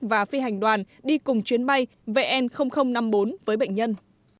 và phi hành đoàn đi cùng chuyến bay vn năm mươi bốn với bệnh nhân